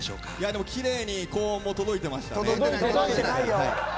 でも、きれいに高音も届いてましたね。